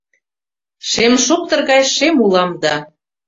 Шемшоптыр гай шем улам да